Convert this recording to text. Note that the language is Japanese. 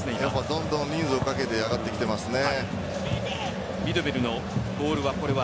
どんどん人数をかけて上がってきてますね。